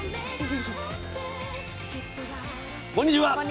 こんにちは！